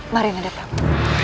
mari nanda prabu